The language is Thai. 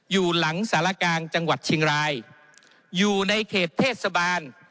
อยู่หลังสารกลางจังหวัดเชียงรายอยู่ในเขตเทศบาล